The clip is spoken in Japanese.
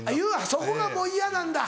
そこがもう嫌なんだ。